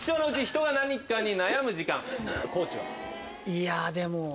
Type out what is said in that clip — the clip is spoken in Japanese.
いやでも。